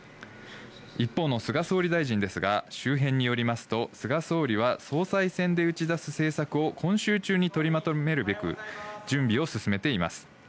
一方の菅総理大臣ですが周辺によりますと菅総理は、総裁選で打ち出す政策を今週中にとりまとめるべく準備を進めています。